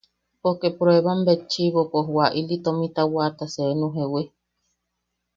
Poke pruebambetchiʼibo pos wa ili tomita waata seenu jewi.